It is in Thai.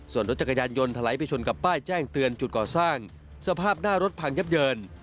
ส่วนรถจักรยานยนต์ถลายไปชนกับป้ายแจ้งเตือนจุดก่อสร้างสภาพหน้ารถพังยับเยิน